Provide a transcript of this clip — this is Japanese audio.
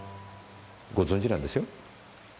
ご存じなんでしょ？